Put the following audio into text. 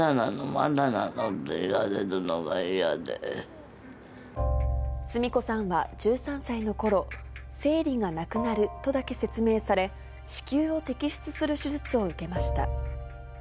またなの？って言われスミ子さんは１３歳のころ、生理がなくなるとだけ説明され、子宮を摘出する手術を受けました。